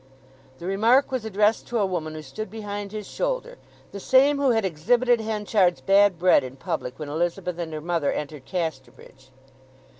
The remark was addressed to a woman who stood behind his shoulder—the same who had exhibited Henchard's bad bread in public when Elizabeth and her mother entered Casterbridge.